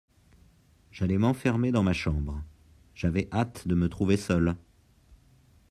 J'allai m'enfermer dans ma chambre ; j'avais hâte de me trouver seule.